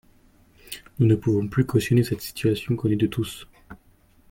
Nous ne pouvons plus cautionner cette situation connue de tous.